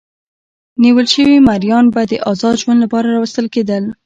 نیول شوي مریان به د ازاد ژوند لپاره راوستل کېدل.